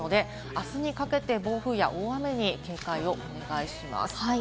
あすにかけて暴風や大雨に警戒をお願いします。